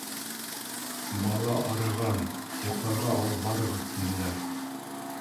— Бала арыған, йоҡларға алып барығыҙ, — тинеләр.